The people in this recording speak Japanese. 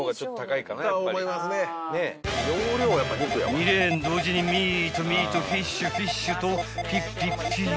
［２レーン同時にミートミートフィッシュフィッシュとピッピッピ］